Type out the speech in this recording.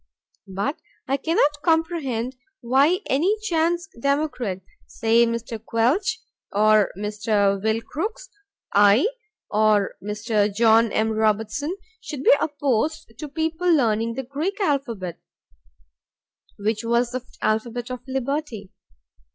But I cannot comprehend why any chance democrat, say Mr. Quelch, or Mr. Will Crooks, I or Mr. John M. Robertson, should be opposed to people learning the Greek alphabet, which was the alphabet of liberty.